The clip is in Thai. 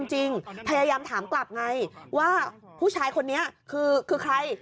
ราวคลับไงว่าผู้ชายคนนี้คือใคร